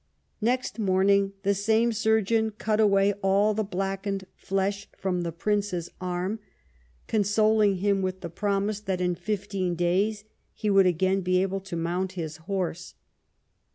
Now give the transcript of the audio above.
Next morning the same surgeon cut away all the blackened flesh from the prince's arm, consoling him with the promise that in fifteen days he would again be able to mount his horse.